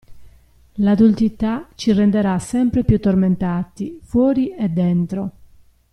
L'adultità ci renderà sempre più tormentati, fuori e dentro.